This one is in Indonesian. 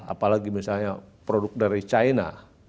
apalagi misalnya produk dari china